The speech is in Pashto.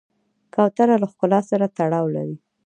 کوتره له ښکلا سره تړاو لري.